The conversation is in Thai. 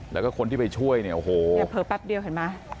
แล้วก็คนที่ไปช่วยเนี่ยโอ้โหเนี่ยเผลอแป๊บเดียวเห็นไหม